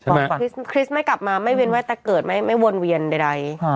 ใช่ไหมคริสต์ไม่กลับมาไม่เวียนว่าแต่เกิดไม่ไม่วนเวียนใดฮะ